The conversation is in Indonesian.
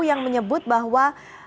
yang menyebut bahwa